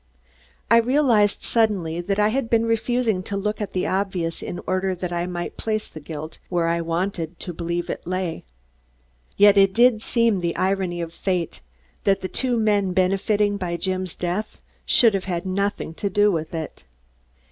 I realized suddenly that I had been refusing to look at the obvious in order that I might place the guilt where I wanted to believe it lay. Yet it did seem the irony of fate that the two men benefiting by Jim's death should have had nothing to do with it.